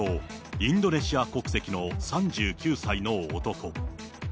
インドネシア国籍の３９歳の男。